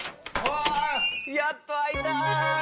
やっとあえた！